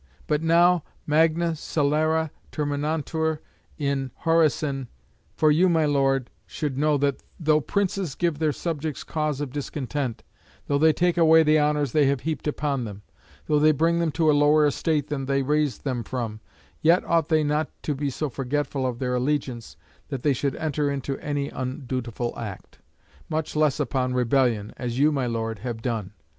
But now magna scelera terminantur in hæresin; for you, my Lord, should know that though princes give their subjects cause of discontent, though they take away the honours they have heaped upon them, though they bring them to a lower estate than they raised them from, yet ought they not to be so forgetful of their allegiance that they should enter into any undutiful act; much less upon rebellion, as you, my Lord, have done.